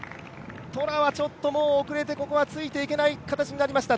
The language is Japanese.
トラはちょっともう遅れてここはついていけない形になりました。